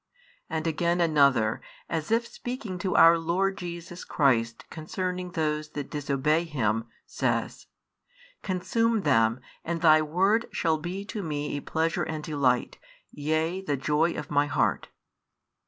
And again another, as if speaking to Our Lord Jesus the Christ concerning those that disobey Him, says: Consume them, and Thy word shall be to me a pleasure and delight, yea the joy of my heart.